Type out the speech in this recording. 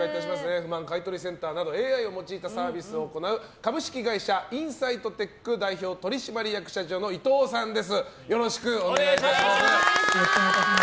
不満買取センターなどＡＩを用いたサービスを行う株式会社ＩｎｓｉｇｈｔＴｅｃｈ取締役社長伊藤さんです。